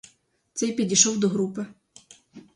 Цей підійшов до групи.